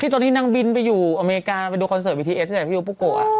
พี่ตอนนี้นางบินไปอยู่อเมริกาไปดูคอนเสิร์ตวีทีเอสใช่ไหมพี่อยู่พูโกอ่ะ